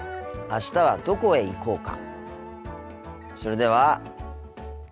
あしたはどこへ行こうか？